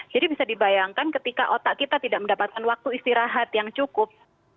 jadi bisa dibayangkan ketika otak kita tidak mendapatkan waktu istirahat yang cukup